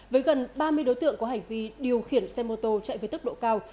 với gần ba mươi đối tượng có hành vi điều khiển xe mô tô chạy với tốc độ cao